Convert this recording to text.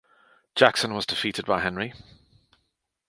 Jackson was defeated by Henry.